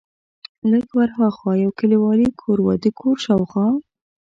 لږ ور ها خوا یو کلیوالي کور و، د کور شاوخوا.